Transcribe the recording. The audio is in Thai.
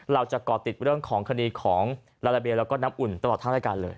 ก่อติดเรื่องของคดีของลาลาเบลแล้วก็น้ำอุ่นตลอดทั้งรายการเลย